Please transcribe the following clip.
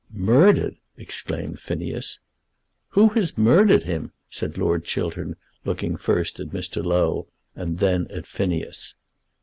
"Murdered!" exclaimed Phineas. "Who has murdered him?" said Lord Chiltern, looking first at Mr. Low and then at Phineas.